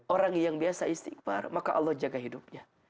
orang yang biasa istighfar maka allah jaga hidupnya